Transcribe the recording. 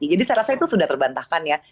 jadi saya rasa itu sudah terbantahkan ya